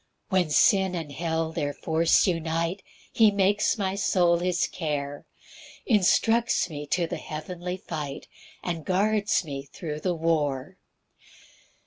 2 When sin and hell their force unite, He makes my soul his care, Instructs me to the heavenly fight, And guards me thro' the war.